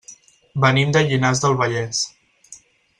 Venim de Llinars del Vallès.